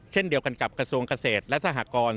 เช่นเดียวกันกับกระทรวงเกษตรและสหกร